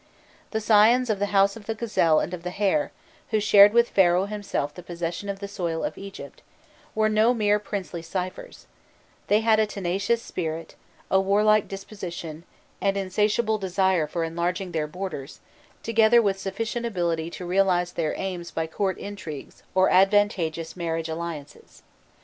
These scions of the house of the Gazelle and of the Hare, who shared with Pharaoh himself the possession of the soil of Egypt, were no mere princely ciphers: they had a tenacious spirit, a warlike disposition, an insatiable desire for enlarging their borders, together with sufficient ability to realize their aims by court intrigues or advantageous marriage alliances.